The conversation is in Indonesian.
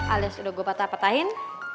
alias udah gue patah patahin